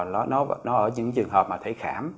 nó ở những trường hợp mà thấy khảm